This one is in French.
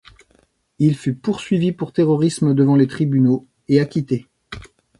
Il fut poursuivi pour terrorisme devant les tribunaux et acquitté.